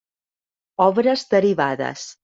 Obres derivades.